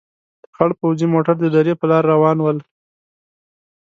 خړ پوځي موټر د درې په لار روان ول.